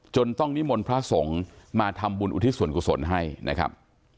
ต้องนิมนต์พระสงฆ์มาทำบุญอุทิศส่วนกุศลให้นะครับ